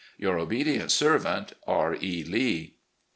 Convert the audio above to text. " Your obedient servant, R. E. Lee."